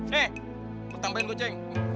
nih lu tambahin goceng